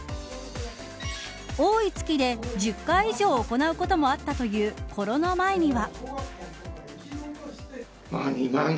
多い月で１０回以上行うこともあったというコロナ前には。